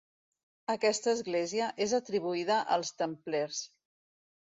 Aquesta església és atribuïda als templers.